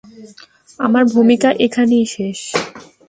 আমার ভূমিকা এখানেই শেষ!